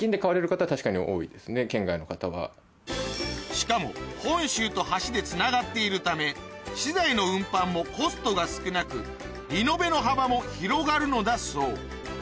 しかも本州と橋でつながっているため資材の運搬もコストが少なくリノベの幅も広がるのだそう